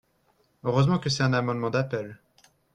Heureusement que c’est un amendement d’appel